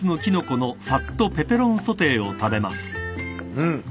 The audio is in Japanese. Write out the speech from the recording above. うん。